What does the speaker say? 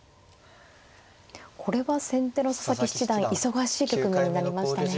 これは先手の佐々木七段忙しい局面になりましたね。